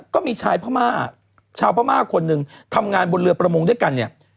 ก็มีชาวพระม่าคนหนึ่งทำงานบนเรือประมงด้วยกัน